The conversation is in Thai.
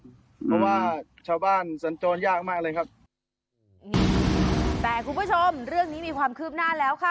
เพราะว่าชาวบ้านสัญจรยากมากเลยครับแต่คุณผู้ชมเรื่องนี้มีความคืบหน้าแล้วค่ะ